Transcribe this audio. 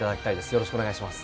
よろしくお願いします。